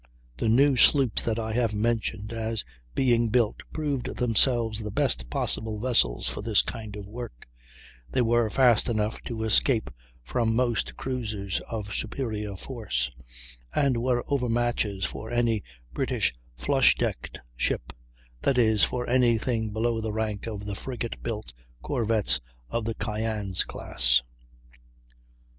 The new sloops that I have mentioned as being built proved themselves the best possible vessels for this kind of work; they were fast enough to escape from most cruisers of superior force, and were overmatches for any British flush decked ship, that is, for any thing below the rank of the frigate built corvettes of the Cyane's class.